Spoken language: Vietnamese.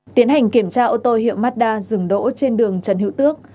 tiến hành kiểm tra ô tô hiệu mazda dừng đỗ trên đường trần hữu tước